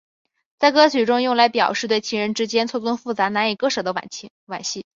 在歌曲中用来表示对情人之间错综复杂难以割舍的惋惜。